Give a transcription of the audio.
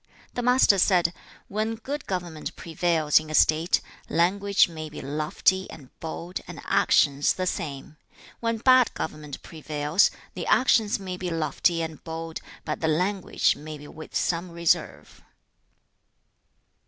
The Master said, 'When good government prevails in a state, language may be lofty and bold, and actions the same. When bad government prevails, the actions may be lofty and bold, but the language may be with some reserve.'